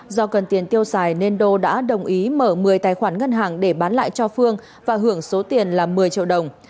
do cần tiền tiêu xài nên đô đã đồng ý mở một mươi tài khoản ngân hàng để bán lại cho phương và hưởng số tiền là một mươi triệu đồng